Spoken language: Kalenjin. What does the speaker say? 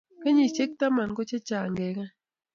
Kenyisek taman ko chang ke keny